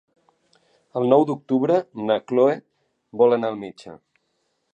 El nou d'octubre na Chloé vol anar al metge.